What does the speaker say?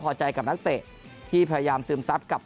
พอใจกับนักเตะที่พยายามซึมซับกับ